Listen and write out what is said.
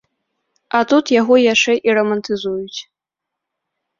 А тут яго яшчэ і рамантызуюць.